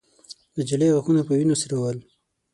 د نجلۍ غاښونه په وينو سره ول.